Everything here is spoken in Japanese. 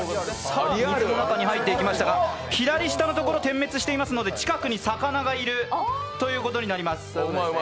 さあ、中に入っていきましたが、左下のところ、点滅していますので近くに魚がいるいうことになります。